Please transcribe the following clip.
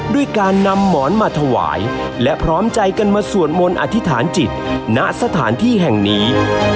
ด้วยการนำหมอนมาถวายและพร้อมใจกันมาสวดมนต์อธิษฐานจิตณสถานที่แห่งนี้